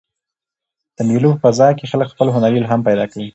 د مېلو په فضا کښي خلک خپل هنري الهام پیدا کوي.